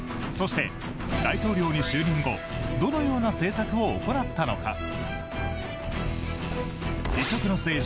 そして、大統領に就任後どのような政策を行ったのか。